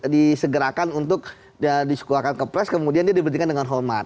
disegerakan untuk disekuahkan ke pres kemudian dia diberhentikan dengan hormat